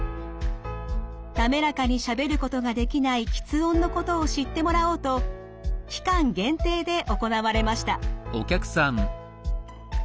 なめらかにしゃべることができない吃音のことを知ってもらおうと期間限定で行われました。